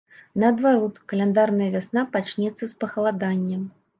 Наадварот, каляндарная вясна пачнецца з пахаладання.